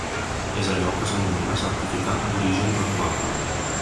És allò que s’anomena certificat d’origen renovable.